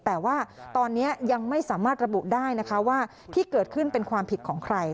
แต่ว่าตอนนี้ยังไม่สามารถระบุได้นะคะว่าที่เกิดขึ้นเป็นความผิดของใคร